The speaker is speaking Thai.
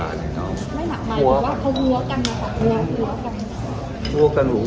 ไม่หากหมายถึงว่าเขาวัวกันหรอครับวัวกัน